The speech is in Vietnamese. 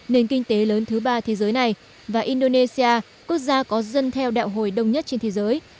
nền kinh tế lớn thứ ba thế giới này và indonesia quốc gia có dân theo đạo hồi đông nhất trên thế giới